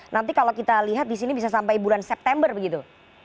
nanti kalau kita lihat di sini bisa sampai bulan september begitu